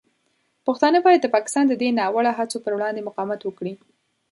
پښتانه باید د پاکستان د دې ناوړه هڅو پر وړاندې مقاومت وکړي.